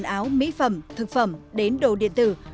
quần áo mỹ phẩm thực phẩm đến đồ điện tử